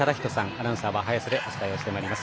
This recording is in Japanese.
アナウンサーは早瀬でお伝えしていきます。